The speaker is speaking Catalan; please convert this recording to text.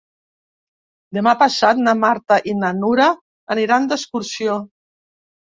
Demà passat na Marta i na Nura aniran d'excursió.